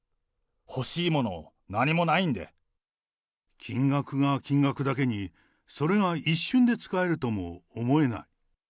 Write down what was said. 欲しいもの、金額が金額だけに、それが一瞬で使えるとも思えない。